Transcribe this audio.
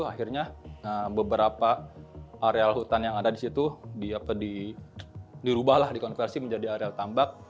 akhirnya beberapa areal hutan yang ada di situ dirubahlah dikonversi menjadi areal tambak